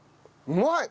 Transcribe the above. うまい！